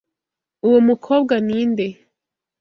"Uwo mukobwa ni nde